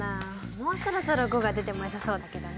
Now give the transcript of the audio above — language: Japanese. もうそろそろ５が出てもよさそうだけどね。